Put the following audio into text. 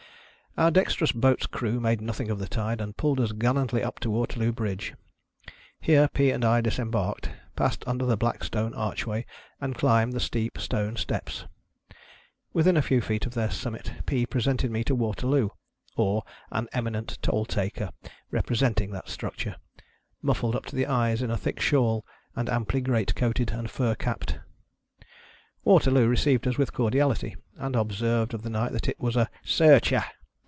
Our dexterous boat's crew made nothing of the tide, and pulled us gallantly up to Waterloo Bridge. Here Pea and I disem barked, passed under the black stone archway, and climbed the steep stone steps. Within a few feet of their summit, Pea presented me to Waterloo (or an eminent toll taker representing that structure), muffled up to the eyes in a thick shawl, and amply great , coated and fur capped. Waterloo received xis with cordiality, and observed of the night that it was "a Searcher."